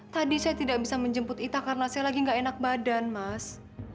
tadi saya tidak bisa menjemput ita karena saya lagi nggak enak badan mas